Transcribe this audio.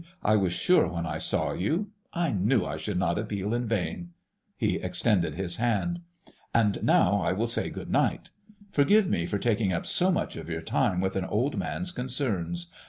I was sure when I saw you—I knew I should not appeal in vain...." He extended his hand. "And now I will say good night. Forgive me for taking up so much of your time with an old man's concerns.